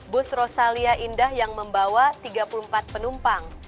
bus rosalia indah yang membawa tiga puluh empat penumpang